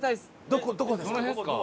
どこどこですか？